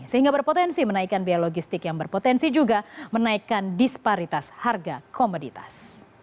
sehingga berpotensi menaikkan biaya logistik yang berpotensi juga menaikkan disparitas harga komoditas